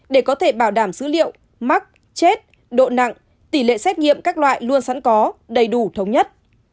để có thể bảo đảm dữ liệu mắc chết độ nặng tỷ lệ xét nghiệm các loại luôn sẵn có đầy đủ thống nhất